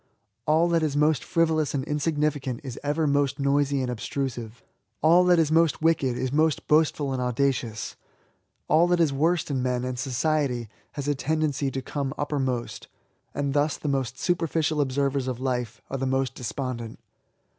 All that is most frivolous and insignificant is ever most noisy and obtrusive; all that is most wicked is most boastful and audacious ; all that is worst in men, and society, has a tendency to come uppermost ; and thus the most superficial observers of life are the most despondent.